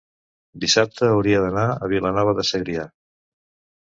dissabte hauria d'anar a Vilanova de Segrià.